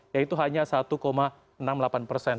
yaitu hanya satu enam puluh delapan persen